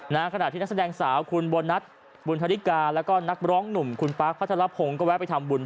ในขณะที่นักแสดงสาวคุณบนัฐบุญธาตุรกาและก็นักร้องหนุ่มคุณปากฟ้าธรรพงศ์ก็แวะไปทำบุญด้วย